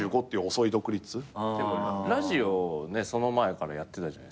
ラジオその前からやってたじゃないですか。